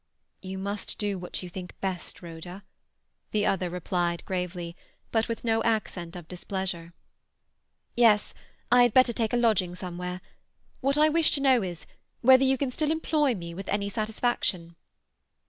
"You must do what you think best, Rhoda," the other replied gravely, but with no accent of displeasure. "Yes, I had better take a lodging somewhere. What I wish to know is, whether you can still employ me with any satisfaction?"